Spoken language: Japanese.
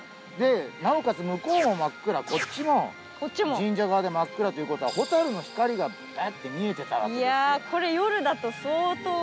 なおかつ、向こうも真っ暗、こっちらも神社側で真っ暗ということで、ほたるの光が見えてたわけですよ。